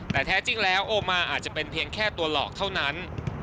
แต่แท้จริงแล้วโอมาอาจจะเป็นเพียงแค่ตัวหลอกเท่านั้น